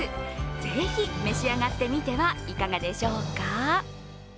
ぜひ、召し上がってみてはいかがでしょうか？